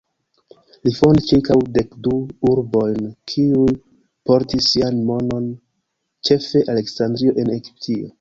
Li fondis ĉirkaŭ dekdu urbojn kiuj portis sian nomon, ĉefe Aleksandrio en Egiptio.